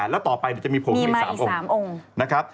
แล้วต่อไปจะมีผงอีก๓องค์